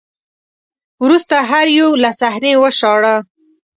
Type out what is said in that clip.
وروسته هر یو له صحنې وشاړه